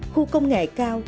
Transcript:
khu công nghệ cao